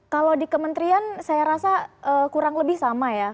kalau di kementerian saya rasa kurang lebih sama ya